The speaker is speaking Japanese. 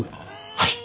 はい。